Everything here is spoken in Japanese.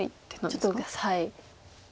ちょっと私はい。